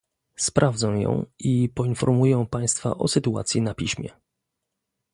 Sprawdzę ją i poinformuję państwa o sytuacji na piśmie